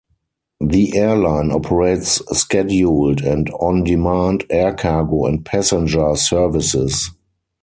The airline operates scheduled and on-demand air cargo and passenger services.